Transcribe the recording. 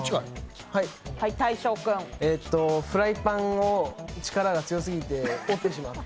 フライパンを力が強すぎて折ってしまった。